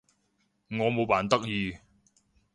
我冇扮得意